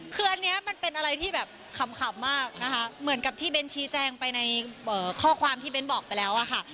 คืออันนี้มันเป็นอะไรที่แบบขำมากนะคะเหมือนกับที่เบ้นชี้แจงไปในข้อความที่เบ้นบอกไปแล้วอะค่ะ